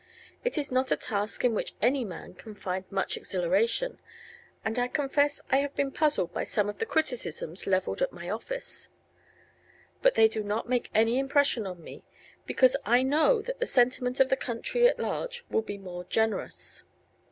It is not a task in which any man can find much exhilaration, and I confess I have been puzzled by some of the criticisms leveled at my office. But they do not make any impression on me, because I know that the sentiment of the country at large will be more generous.